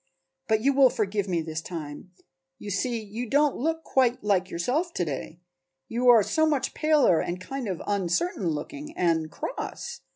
But you will forgive me this time. You see you don't look quite like yourself to day; you are so much paler and kind of uncertain looking and cross.